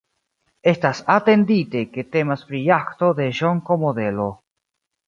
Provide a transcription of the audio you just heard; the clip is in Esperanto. Estas atentinde, ke temas pri jaĥto de Ĵonko-modelo.